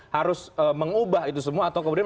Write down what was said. harus mengubah itu semua atau kemudian